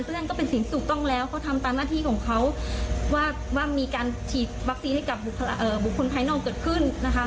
นั่นก็เป็นสิ่งถูกต้องแล้วเขาทำตามหน้าที่ของเขาว่ามีการฉีดวัคซีนให้กับบุคคลภายนอกเกิดขึ้นนะคะ